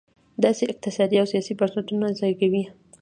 داسې اقتصادي او سیاسي بنسټونه زېږوي.